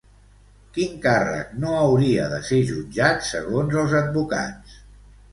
Quin càrrec no hauria de ser jutjat, segons els advocats?